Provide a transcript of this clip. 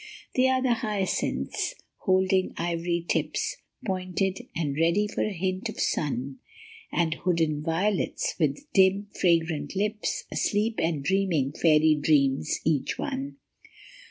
There are the hyacinths, holding ivory tips Pointed and ready for a hint of sun ; And hooded violets, with dim, fragrant lips Asleep and dreaming fairy dreams each one.